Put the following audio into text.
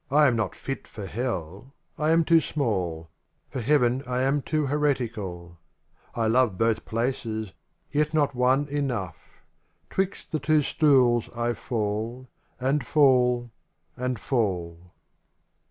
MAM not fit for hell, — I am too small; For heaven I am too heretical; I love both places, yet not one enough : 'Twixt the two stools I fall — and fall — and fall.